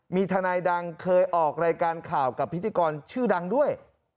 มีทนายดังเคยออกรายการข่าวกับพิธีกรชื่อดังด้วย